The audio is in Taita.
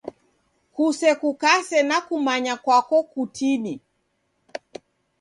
Kusekukase na kumanya kwako kutini!